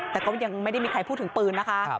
แต่ก็ยังไม่ได้มีใครพูดถึงปืนนะคะ